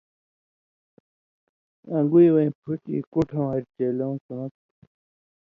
ان٘گُوْئ وَیں پھُٹیۡ کُوٹھؤں ہاریۡ ڇیلیؤں سُنّت تھُو۔